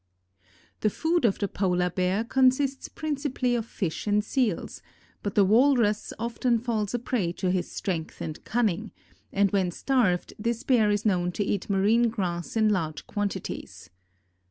The food of the Polar Bear consists principally of fish and seals, but the walrus often falls a prey to his strength and cunning, and when starved this Bear is known to eat marine grass in large quantities.